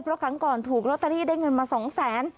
เพราะครั้งก่อนถูกลอตเตอรี่ได้เงินมา๒แสน